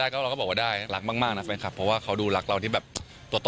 น่ารักมากน่ารักมากน่ารักมากน่ารักมากน่ารักมากน่ารักมากน่ารักมากน่ารักมากน่ารักมาก